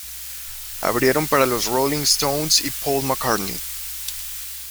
Abrieron para los Rolling Stones y Paul McCartney.